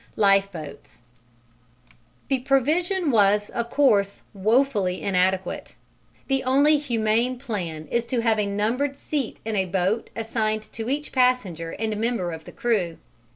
Lifeboats The provision was of course woefully inadequate. The only humane plan is to have a numbered seat in a boat assigned to each passenger and member of the crew.